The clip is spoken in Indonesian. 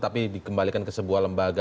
tapi dikembalikan ke sebuah lembaga